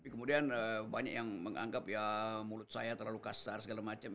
kemudian banyak yang menganggap ya mulut saya terlalu kasar segala macam